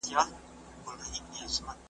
یو ځل دي قبلې ته در بللی وای ,